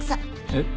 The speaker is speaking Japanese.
えっ。